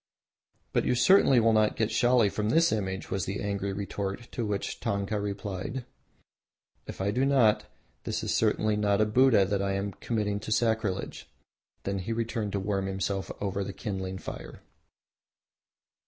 "But you certainly will not get Shali from this image!" was the angry retort, to which Tanka replied, "If I do not, this is certainly not a Buddha and I am committing no sacrilege." Then he turned to warm himself over the kindling fire.